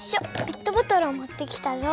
ペットボトルを持ってきたぞ。